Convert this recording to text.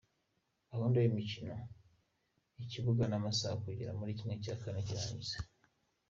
Gahunda y’imikino ibibuga n’amasaha kugera muri ¼ cy’irangiza.